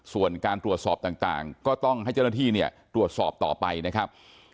ส่วนการตรวจสอบต่างก็ต้องให้เจ้าหน้าที่เนี่ยตรวจสอบต่อไปนะครับ